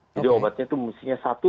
jadi obatnya itu mustinya satu